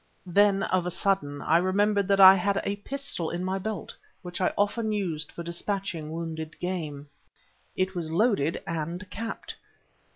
Then of a sudden I remembered that I had a pistol in my belt, which I often used for despatching wounded game. It was loaded and capped.